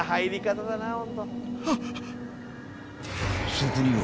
［そこには］